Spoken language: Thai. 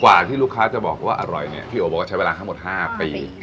ที่ลูกค้าจะบอกว่าอร่อยเนี่ยพี่โอบอกว่าใช้เวลาทั้งหมด๕ปี